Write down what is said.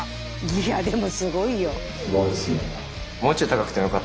いやでもすごいよ。